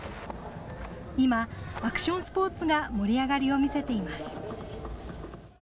今、アクションスポーツが盛り上がりを見せています。